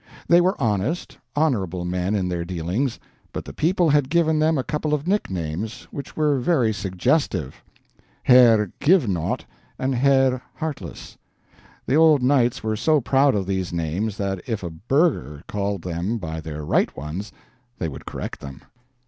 They were honest, honorable men in their dealings, but the people had given them a couple of nicknames which were very suggestive Herr Givenaught and Herr Heartless. The old knights were so proud of these names that if a burgher called them by their right ones they would correct them.